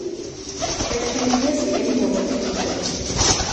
შერჩენილია სქელი მორების ბუდეები.